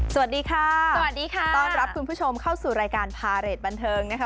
สวัสดีค่ะสวัสดีค่ะต้อนรับคุณผู้ชมเข้าสู่รายการพาเรทบันเทิงนะคะ